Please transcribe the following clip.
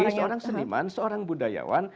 sekali lagi seorang seniman seorang budayawan